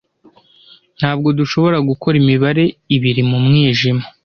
Ntabwo dushobora gukora imibare ibiri mu mwijima.